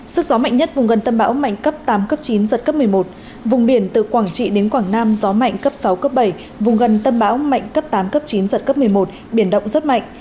sức gió mạnh nhất vùng gần tâm bão mạnh cấp tám cấp chín giật cấp một mươi một vùng biển từ quảng trị đến quảng nam gió mạnh cấp sáu cấp bảy vùng gần tâm bão mạnh cấp tám cấp chín giật cấp một mươi một biển động rất mạnh